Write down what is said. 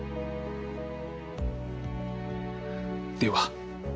では。